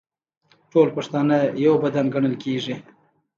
ټول پښتانه یو بدن ګڼل کیږي.